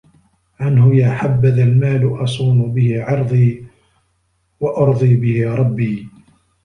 عَنْهُ يَا حَبَّذَا الْمَالُ أَصُونُ بِهِ عِرْضِي وَأُرْضِي بِهِ رَبِّي